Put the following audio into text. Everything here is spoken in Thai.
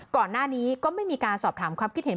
ก่อนหน้านี้ก็ไม่มีการสอบถามความคิดเห็น